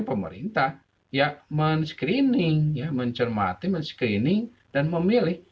pemerintah mencermati men screening dan memilih